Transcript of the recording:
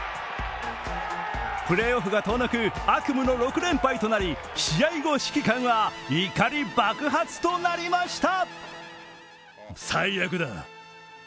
プレーオフが遠のく悪夢の６連敗となり試合後、指揮官は怒り爆発となりました。